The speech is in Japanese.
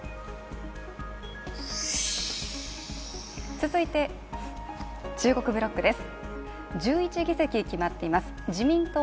続いて、中国ブロックです。